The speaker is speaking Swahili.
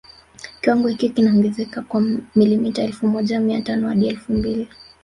Kiwango hiki kinaongezeka kwa milimita elfu moja mia tano hadi elfu mbili